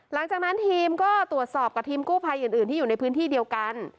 หลังจากนั้นทีมก็ตรวจสอบกับทีมกู้ภัยอื่นที่อยู่ในพื้นที่เดียวกัน